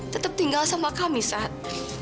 tetap tinggal sama kami saat